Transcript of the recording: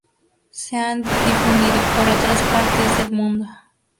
Se han difundido por otras partes del mundo.